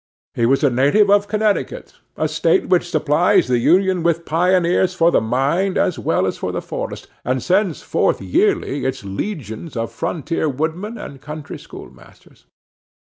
He was a native of Connecticut, a State which supplies the Union with pioneers for the mind as well as for the forest, and sends forth yearly its legions of frontier woodmen and country schoolmasters.